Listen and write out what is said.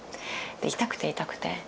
痛くて痛くて。